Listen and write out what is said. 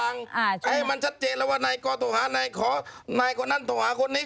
ให้มันชัดเจนแล้วว่าไหนก็โทรหาไหนขอไหนก็นั่นโทรหาคนนี้